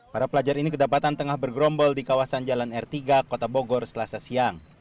para pelajar ini kedapatan tengah bergerombol di kawasan jalan r tiga kota bogor selasa siang